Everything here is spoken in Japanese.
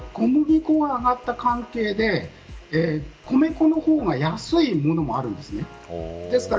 これが小麦粉が上がった関係で米粉の方が安いものもあるんですね。